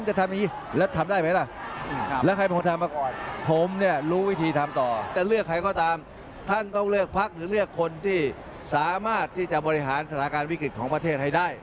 จะเลือกคนที่สามารถที่จะบริหารสถาการณ์วิกฤติของประเทศให้ได้